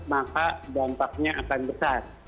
maka dampaknya akan besar